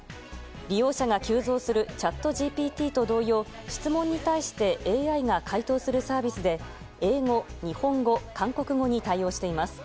利用者が急増するチャットＧＰＴと同様質問に対してＡＩが回答するサービスで英語、日本語、韓国語に対応しています。